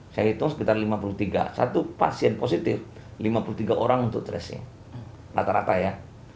saya hitung sekitar lima puluh tiga satu pasien positif lima puluh tiga orang untuk tracing rata rata ya